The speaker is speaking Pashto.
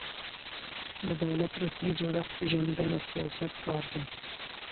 د دولت رسمي جوړښت پېژندل د سیاست کار دی.